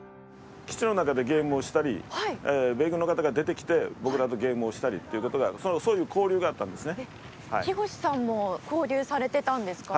基地の中でゲームをしたり米軍の方が出てきて僕らとゲームをしたりっていう事がそういう交流があったんですね。